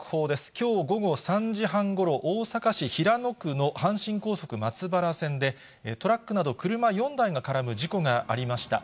きょう午後３時半ごろ、大阪市平野区の阪神高速松原線で、トラックなど車４台が絡む事故がありました。